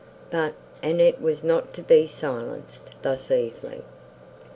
But Annette was not to be silenced thus easily.